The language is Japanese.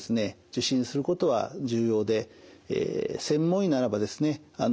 受診することは重要で専門医ならばですね